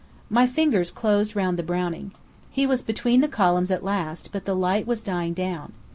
My fingers closed round the Browning. He was between the columns at last, but the light was dying down.